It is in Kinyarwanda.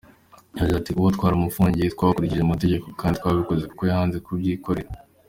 Yagize ati “Kuba twaramufungiye twakurikije amategeko kandi twabikoze kuko yanze kubyikorera.